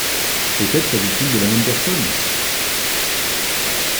Peut-être s'agit-il de la même personne.